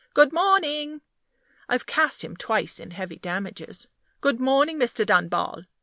Good morning! (I've cast him twice in heavy damages) good morning, Mr. Dunball.